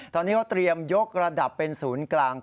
ตอนนี้เขาเตรียมยกระดับเป็นศูนย์กลาง